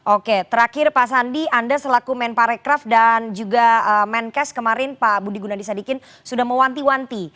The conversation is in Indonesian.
oke terakhir pak sandi anda selaku men parekraf dan juga menkes kemarin pak budi gunadisadikin sudah mewanti wanti